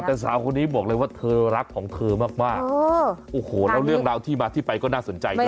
แต่สาวคนนี้บอกเลยว่าเธอรักของเธอมากโอ้โหแล้วเรื่องราวที่มาที่ไปก็น่าสนใจนะ